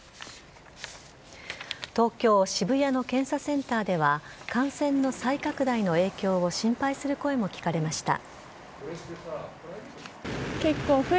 東京・渋谷の検査センターでは感染の再拡大の影響を心配する声も聞かれました。